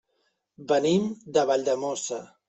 Venim de Valldemossa.